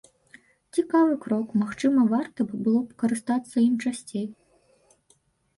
Цікавы крок, магчыма, варта б было карыстацца ім часцей.